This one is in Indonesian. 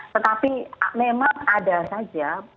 tetapi memang ada saja